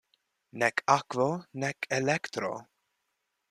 Nek akvo, nek elektro.